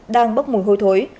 đang bốc mùi hôi thối